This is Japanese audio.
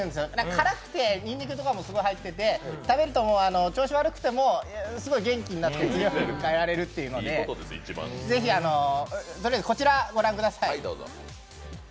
辛くてにんにくとかもすごい入ってて、すごい元気になって次の日迎えられるというので、とりあえずこちらご覧ください。